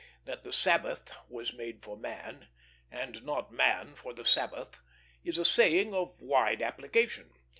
That the Sabbath was made for man, and not man for the Sabbath, is a saying of wide application.